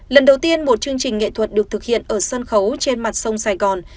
lần đầu tiên một chương trình nghệ thuật được thực hiện ở sân khấu trên mặt sông sài gòn